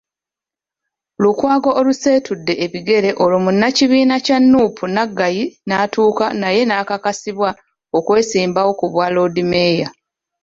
Lukwago oluseetudde ebigere olwo munnakibiina kya Nuupu, Naggayi n'atuuka naye n'akakasibwa okwesimbawo ku bwaloodimmeeya.